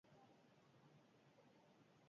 Hamabiak eta laurden dira.